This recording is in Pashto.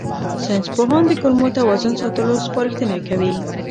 ساینسپوهان د کولمو توازن ساتلو سپارښتنه کوي.